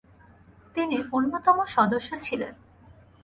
তিনি অন্যতম সদস্য ছিলেন।